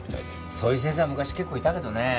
そういう先生は昔結構いたけどね。